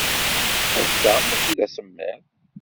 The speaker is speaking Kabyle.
Ass-a, maci d asemmiḍ.